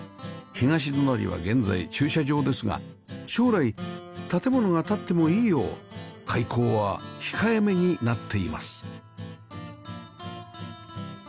東隣は現在駐車場ですが将来建物が建ってもいいよう開口は控えめになっています